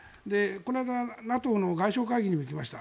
この間、ＮＡＴＯの外相会議にも行きました。